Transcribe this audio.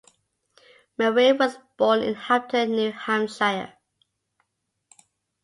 Merrill was born in Hampton, New Hampshire.